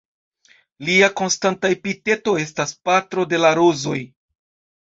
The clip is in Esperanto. Lia konstanta epiteto estas "patro de la rozoj".